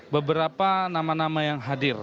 beberapa nama nama yang hadir